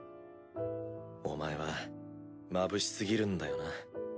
お前はまぶしすぎるんだよな。